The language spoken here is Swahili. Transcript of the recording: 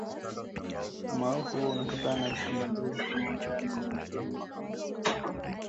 Umarufu huo unatokana na vitu mbalimbali vilivyomo wilayani humo ikiwemo mapango ya kale